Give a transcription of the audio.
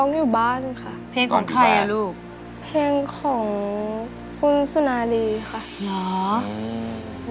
อยู่บ้านค่ะเพลงของใครอ่ะลูกเพลงของคุณสุนารีค่ะเหรอ